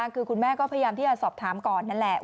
คือคุณแม่ก็พยายามที่จะสอบถามก่อนนั่นแหละ